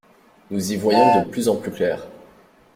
Nous y voyons de plus en plus clair.